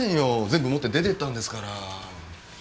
全部持って出てったんですから。